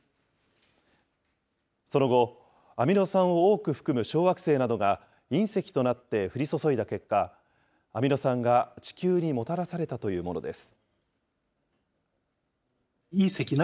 その後、アミノ酸を多く含む小惑星などが隕石となって降り注いだ結果、アミノ酸が地球にもたらされたというものです。